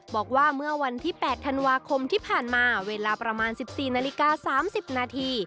บอกว่าเมื่อวันที่๘ธันวาคมที่ผ่านมาเวลาประมาณ๑๔นาฬิกา๓๐นาที